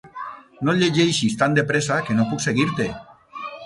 No llegeixis tan de pressa, que no puc seguir-te.